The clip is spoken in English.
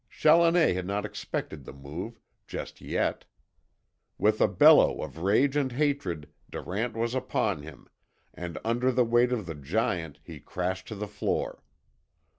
Challoner had not expected the move just yet. With a bellow of rage and hatred Durant was upon him, and under the weight of the giant he crashed to the floor.